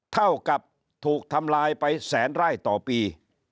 เท่ากับถูกทำลายไปแสนไร่ต่อปี